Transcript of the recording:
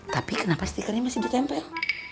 tapi kenapa stikernya masih ditempel